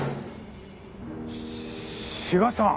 志賀さん！